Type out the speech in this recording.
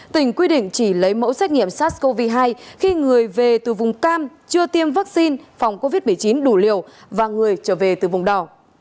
tỉnh quy định chỉ lấy mẫu xét nghiệm sars cov hai khi người về từ vùng cam chưa tiêm vaccine phòng covid một mươi chín đủ liều và người trở về từ vùng đỏ